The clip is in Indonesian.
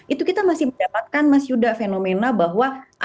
itu kita masih mendapatkan mas yuda fenomena bahwa